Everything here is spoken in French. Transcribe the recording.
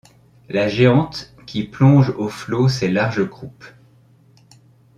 La géante qui plonge aux flots ses larges croupes